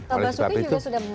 pak basuki juga sudah